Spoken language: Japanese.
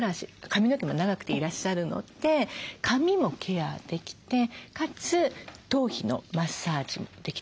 髪の毛も長くていらっしゃるので髪もケアできてかつ頭皮のマッサージもできてしまうというものです。